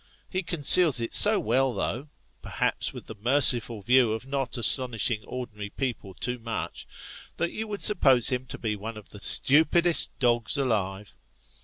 He conceals it so well 'though perhaps with the merciful view of not astonishing ordinary people too much that you would suppose him to be one of the stupidest dogs alive.